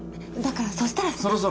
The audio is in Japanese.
だからそしたらさ。